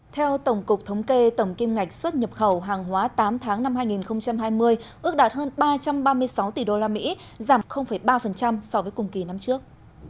theo tổng cục thống kê tổng kim ngạch xuất nhập khẩu hàng hóa tám tháng năm hai nghìn hai mươi ước đạt hơn ba trăm ba mươi sáu tỷ usd giảm ba so với cùng kỳ năm trước